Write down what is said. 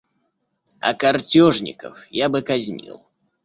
А картежников я бы казнил.